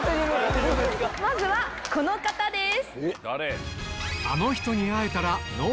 まずはこの方です。